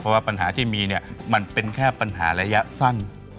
เพราะว่าปัญหาที่มีเนี่ยมันเป็นแค่ปัญหาระยะสั้น